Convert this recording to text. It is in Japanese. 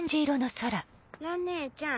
蘭姉ちゃん